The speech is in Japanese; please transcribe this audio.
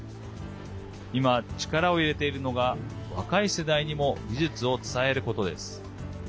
今、力を入れているのが若い世代にも技術を伝えることです。